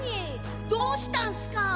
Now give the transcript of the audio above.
どうしたんすか？